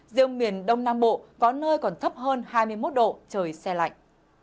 riêng miền đông nam bộ có nơi còn thấp hơn hai mươi một độ trời xe lạnh